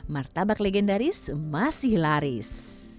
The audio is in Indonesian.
martabak legendaris masih laris